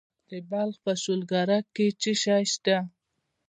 د بلخ په شولګره کې څه شی شته؟